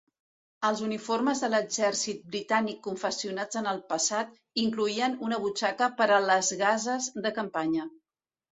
Els uniformes de l'exèrcit britànic confeccionats en el passat incloïen una butxaca per a les gases de campanya.